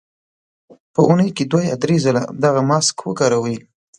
په اونۍ کې دوه یا درې ځله دغه ماسک وکاروئ.